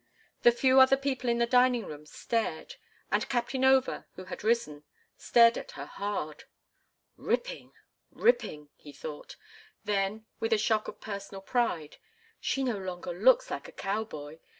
The few other people in the dining room stared, and Captain Over, who had risen, stared at her hard. "Ripping! Ripping!" he thought. Then, with a shock of personal pride: "She no longer looks like a cow boy.